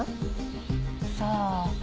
さあ？